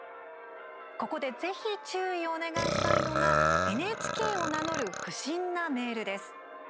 ここで、ぜひ注意をお願いしたいのがＮＨＫを名乗る不審なメールです。